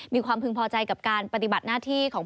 มีความพึงพอใจกับการปฏิบัติหน้าที่ของ